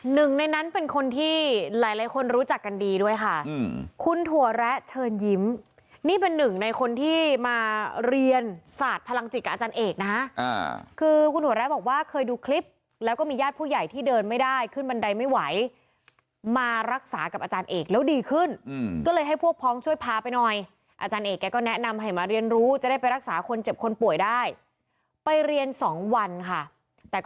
หนึ่งในนั้นเป็นคนที่หลายคนรู้จักกันดีด้วยค่ะคุณถั่วแระเชิญยิ้มนี่เป็นหนึ่งในคนที่มาเรียนศาสตร์พลังจิตกับอาจารย์เอกนะฮะคือคุณถั่วแระบอกว่าเคยดูคลิปแล้วก็มีญาติผู้ใหญ่ที่เดินไม่ได้ขึ้นบันไดไม่ไหวมารักษากับอาจารย์เอกแล้วดีขึ้นก็เลยให้พวกพ้องช่วยพาไปหน่อยอาจารย์เอกแกก็แนะ